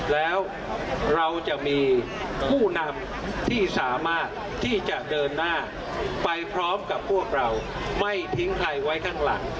แล้วเราจะมีผู้นำที่สามารถที่จะเดินหน้าไปพร้อมกับพวกเราไม่ทิ้งใครไว้ข้างหลัง